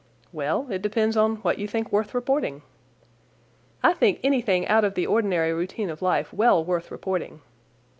"Well, it depends upon what you think worth reporting." "I think anything out of the ordinary routine of life well worth reporting."